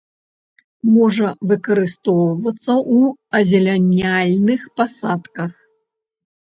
Можа выкарыстоўвацца ў азеляняльных пасадках.